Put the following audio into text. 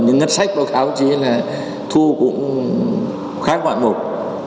nhưng ngân sách của hồ chí là thu cũng khá hoạn mục